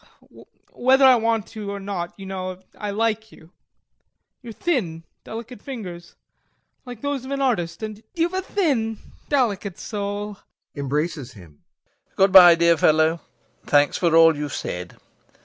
Whether I want to or not, you know, I like you. You've thin, delicate fingers, like those of an artist, and you've a thin, delicate soul...." LOPAKHIN. Good bye, dear fellow. Thanks for all you've said.